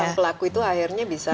dan pelaku itu akhirnya bisa